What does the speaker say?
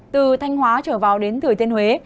từ thanh hóa trở vào đến thừa tiên huế